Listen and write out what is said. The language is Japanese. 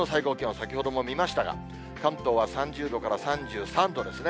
先ほども見ましたが、関東は３０度から３３度ですね。